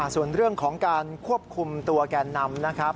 ส่วนเรื่องของการควบคุมตัวแก่นำนะครับ